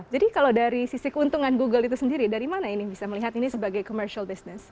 jadi kalau dari sisi keuntungan google itu sendiri dari mana ini bisa melihat ini sebagai commercial business